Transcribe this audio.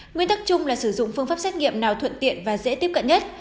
nguyên tắc chung là sử dụng phương pháp xét nghiệm nào thuận tiện và dễ tiếp cận nhất